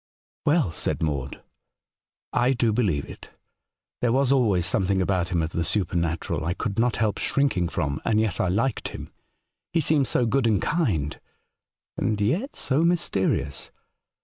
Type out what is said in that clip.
' Well,' said Maude, * I do believe it* There was always something about him of the supernatural I could not help shrinking from, and yet I liked him. He seemed so good and kind, and yet so mysterious.